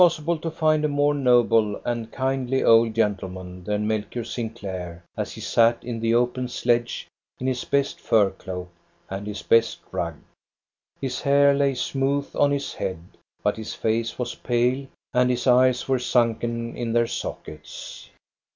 It was impossible to find a more noble and kindly old gentleman than Melchior Sinclair, as he sat in the open sledge in his best fur cloak and his best rug. His hair lay smooth on his head, but his face was pale and his eyes were sunken in their sockets.